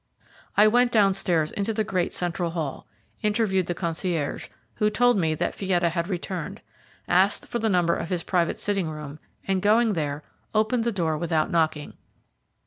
I went downstairs into the great central hall, interviewed the concierge, who told me that Fietta had returned, asked for the number of his private sitting room, and, going there, opened the door without knocking.